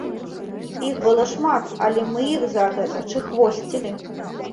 Іх было шмат, але мы іх за гэта чыхвосцілі.